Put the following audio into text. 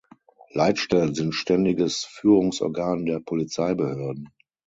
Leitstellen sind ständiges Führungsorgan der Polizeibehörden.